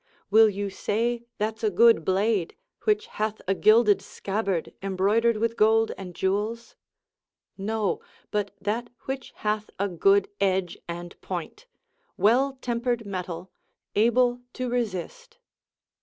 Will you say that's a good blade which hath a gilded scabbard, embroidered with gold and jewels? No, but that which hath a good edge and point, well tempered metal, able to resist.